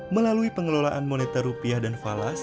melalui pengelolaan moneter rupiah dan falas